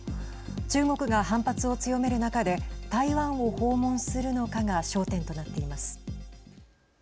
中国が反発を強める中で台湾を訪問するのかが焦点となっています。